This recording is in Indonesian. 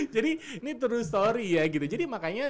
jadi ini true story ya gitu jadi makanya